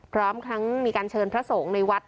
พร้อมทั้งมีการเชิญพระสงฆ์ในวัด